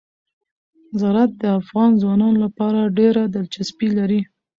زراعت د افغان ځوانانو لپاره ډېره دلچسپي لري.